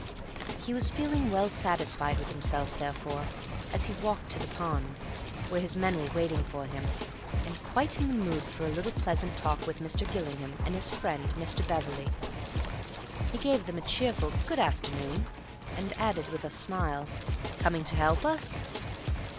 He was feeling well satisfied with himself, therefore, as he walked to the pond, where his men were waiting for him, and quite in the mood for a little pleasant talk with Mr. Gillingham and his friend, Mr. Beverley. He gave them a cheerful "Good afternoon," and added with a smile, "Coming to help us?"